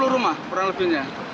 lima puluh rumah kurang lebihnya